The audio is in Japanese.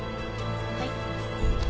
はい。